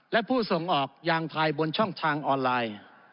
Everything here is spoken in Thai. และผู้ส่งออกยางไทยบนช่องทางออนไลน์